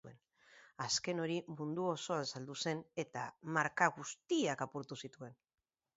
Azken hori mundu osoan saldu zen eta marka gutziak apurtu zituen.